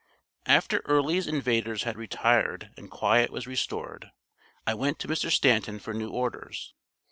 After Early's invaders had retired and quiet was restored, I went to Mr. Stanton for new orders.